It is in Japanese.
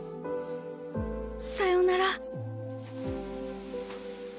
さよなら。